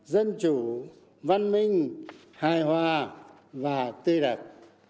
dân chủ văn minh hài hòa và tư đặc